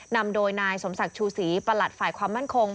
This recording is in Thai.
นำโดยนายสมศักดิ์ชูศรีประหลัดฝ่ายความมั่นคง